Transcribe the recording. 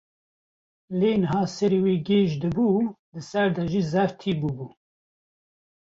Lê niha serê wî gêj dibû û di ser de jî zehf tî bûbû.